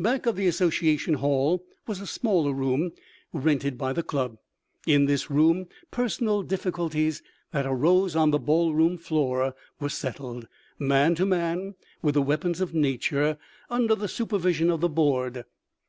Back of the association hall was a smaller room rented by the club. In this room personal difficulties that arose on the ballroom floor were settled, man to man, with the weapons of nature, under the supervision of the board.